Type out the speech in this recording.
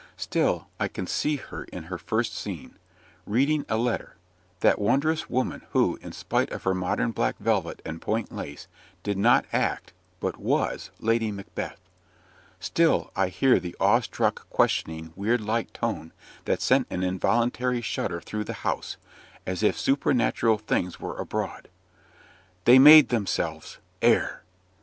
Still I can see her in her first scene, "reading a letter" that wondrous woman, who, in spite of her modern black velvet and point lace, did not act, but WAS, Lady Macbeth: still I hear the awe struck, questioning, weird like tone, that sent an involuntary shudder through the house, as if supernatural things were abroad "THEY MADE THEMSELVES AIR!"